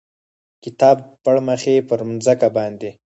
کتاب پړمخې پر مځکه باندې،